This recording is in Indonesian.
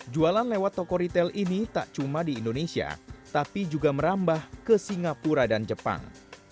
jualan lewat toko retail ini tak cuma di indonesia tapi juga merambah ke singapura dan jepang